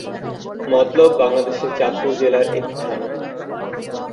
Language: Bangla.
মতলব বাংলাদেশের চাঁদপুর জেলার একটি থানা।